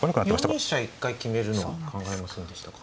４二飛車一回決めるのは考えませんでしたか？